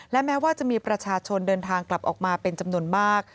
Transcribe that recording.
และแม้ว่าจะมีประชาชนเดินทางกลับออกมาเป็นจำนวนมาก